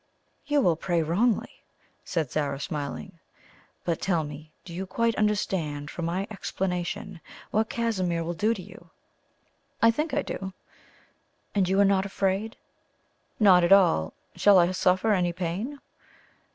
"You will pray wrongly," said Zara, smiling. "But tell me, do you quite understand from my explanation what Casimir will do to you?" "I think I do." "And you are not afraid?" "Not at all. Shall I suffer any pain?"